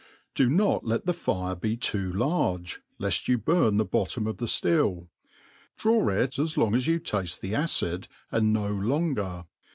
Do not let the fire be too large, left you burn the bottom of the ftilh Draw it as long as you^afle the acid, and no longer.